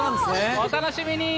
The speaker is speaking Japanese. お楽しみに。